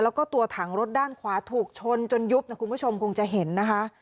แล้วก็ตัวถังรถด้านขวาถูกชนจนยุบนะคุณผู้ชมคงจะเห็นนะคะ